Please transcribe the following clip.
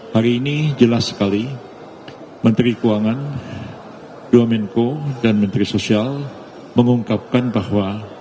hari ini jelas sekali menteri keuangan dua menko dan menteri sosial mengungkapkan bahwa